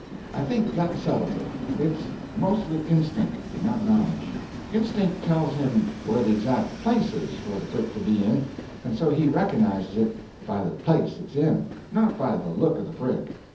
I think that settles it—it's mostly instink, not knowledge. Instink tells him where the exact place is for the brick to be in, and so he reconnizes it by the place it's in, not by the look of the brick.